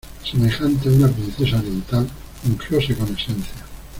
semejante a una princesa oriental, ungióse con esencias.